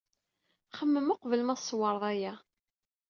Xemmem uqbel ma tsewred aya.